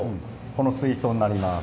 この水槽になります。